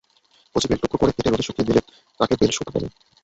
কচি বেল টুকরা করে কেটে রোদে শুকিয়ে নিলে তাকে বেল শুট বলে।